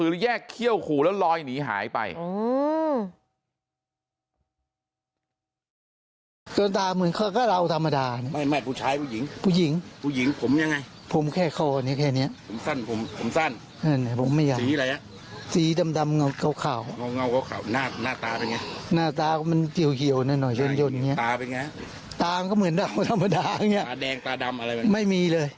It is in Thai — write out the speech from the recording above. แล้วมันมีแสงไหม